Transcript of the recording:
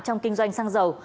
trong kinh doanh xăng dầu